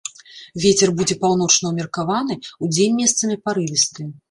Вецер будзе паўночны ўмеркаваны, удзень месцамі парывісты.